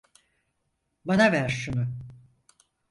Bana ver şunu.